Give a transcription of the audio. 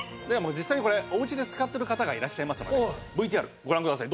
実際にこれお家で使ってる方がいらっしゃいますのでＶＴＲご覧ください。